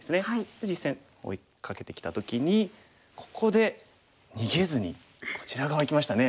で実戦追いかけてきた時にここで逃げずにこちら側いきましたね。